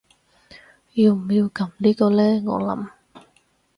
要唔要撳呢個呢我諗